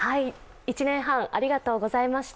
１年半ありがとうございました。